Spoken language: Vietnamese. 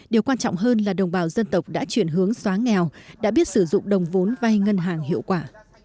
điều quan trọng hơn là đồng bào dân tộc đã chuyển hướng xóa nghèo đã biết sử dụng đồng vốn vay ngân hàng hiệu quả